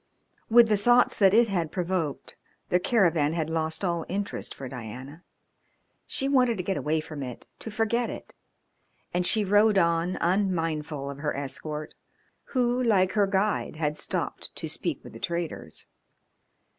With the thoughts that it had provoked the caravan had lost all interest for Diana. She wanted to get away from it, to forget it, and she rode on unmindful of her escort, who, like her guide, had stopped to speak with the traders.